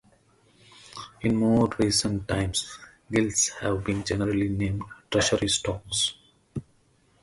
In more recent times, gilts have been generally named Treasury Stocks.